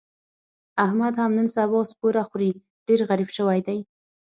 احمد هم نن سبا سپوره خوري، ډېر غریب شوی دی.